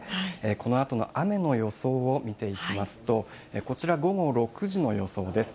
このあとの雨の予想を見ていきますと、こちら、午後６時の予想です。